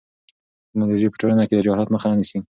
ټیکنالوژي په ټولنه کې د جهالت مخه نیسي.